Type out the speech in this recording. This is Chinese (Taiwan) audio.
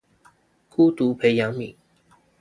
孤獨培養皿